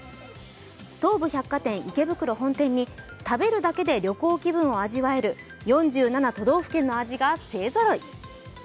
東武百貨店池袋本店に食べるだけで旅行気分が味わえる４７都道府県の味が勢ぞろい。